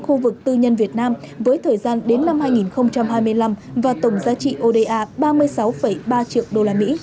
khu vực tư nhân việt nam với thời gian đến năm hai nghìn hai mươi năm và tổng giá trị oda ba mươi sáu ba triệu usd